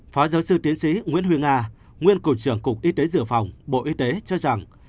phó giáo sư tiến sĩ nguyễn huy nga nguyên cục trưởng cục y tế dự phòng bộ y tế cho rằng